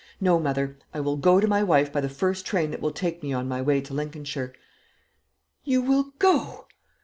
No, mother; I will go to my wife by the first train that will take me on my way to Lincolnshire." "You will go!